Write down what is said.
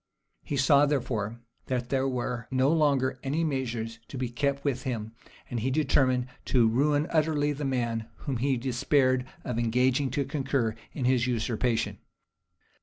[*] He saw, therefore, that there were no longer any measures to be kept with him; and he determined to ruin utterly the man whom he despaired of engaging to concur in his usurpation.